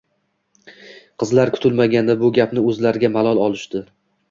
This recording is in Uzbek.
Qizlar kutilmaganda bu gapni o’zlariga malol olishdi.